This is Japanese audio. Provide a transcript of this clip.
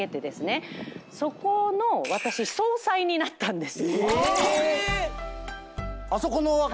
あの神社の私総裁になったんです。